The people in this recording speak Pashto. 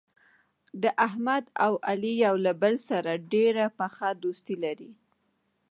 د احمد او علي یو له بل سره ډېره پخه دوستي لري.